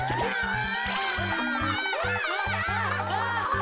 あ！